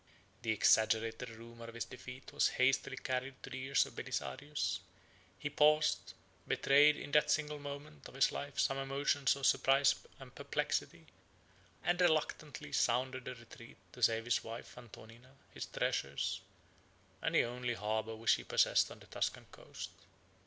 The exaggerated rumor of his defeat was hastily carried to the ears of Belisarius: he paused; betrayed in that single moment of his life some emotions of surprise and perplexity; and reluctantly sounded a retreat to save his wife Antonina, his treasures, and the only harbor which he possessed on the Tuscan coast.